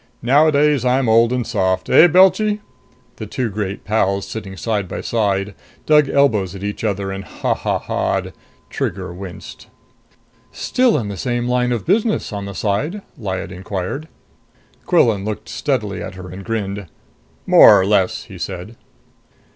Nowadays I'm old and soft. Eh, Belchy?" The two great pals, sitting side by side, dug elbows at each other and ha ha ha'd. Trigger winced. "Still in the same line of business, on the side?" Lyad inquired. Quillan looked steadily at her and grinned. "More or less," he said.